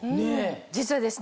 実はですね